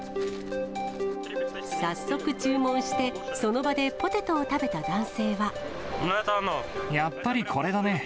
早速注文して、その場でポテトをやっぱりこれだね！